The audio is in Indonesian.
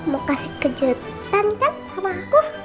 mau kasih kejatan kan sama aku